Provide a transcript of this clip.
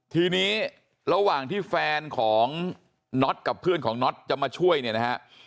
ทีนี้ระหว่างที่แฟนของน็อตกับเพื่อนของน็อตจะมาช่วยเนี่ยนะฮะ